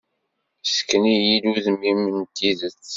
Ssken-iyi-d udem-im n tidet.